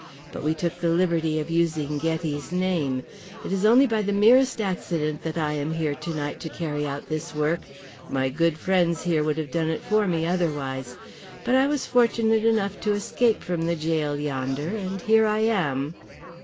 But we took the liberty of using Ghetti's name. It is only by the merest accident that I am here tonight to carry out this work. My good friends here would have done it for me otherwise. But I was fortunate enough to escape from the gaol yonder, and here I am."